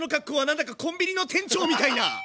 何だかコンビニの店長みたいな。